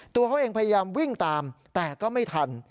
ตัวเขาเองพยายามวิ่งตามแต่ก็ไม่ทัน